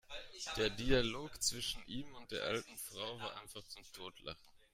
Der Dialog zwischen ihm und der alten Frau war einfach zum Totlachen!